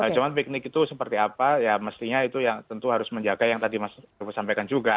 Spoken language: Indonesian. cuma piknik itu seperti apa ya mestinya itu yang tentu harus menjaga yang tadi mas joko sampaikan juga